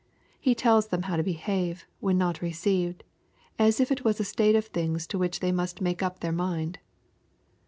He tells them how to behave, when not received, as if it was a state of things to which they must make Mp their mind.